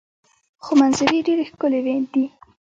خو منظرې یې ډیرې ښکلې دي.